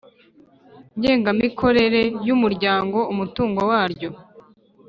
ngengamikorere y umuryango Umutungo waryo